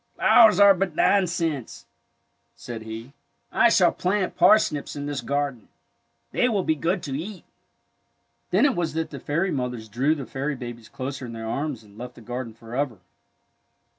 '' Flowers are but nonsense! " said he. ^^ I A TULIP STORY 39 shall plant parsnips in this garden. They will be good to eat! '' Then it was that the fairy mothers drew the fairy babies closer in their arms and left the garden for ever.